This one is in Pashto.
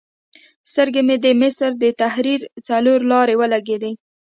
سترګې مې د مصر د تحریر څلور لارې ولګېدې.